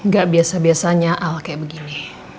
gak biasa biasanya al kayak begini